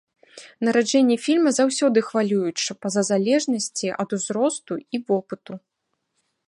Нараджэнне фільма заўсёды хвалююча па-за залежнасці ад узросту і вопыту.